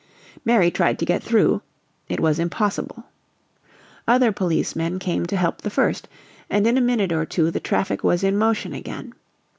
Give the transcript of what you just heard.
Mary tried to get through; it was impossible. Other policemen came to help the first, and in a minute or two the traffic was in motion again.